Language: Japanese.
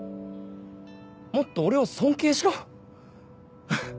もっと俺を尊敬しろ！